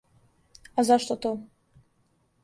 А зашто то?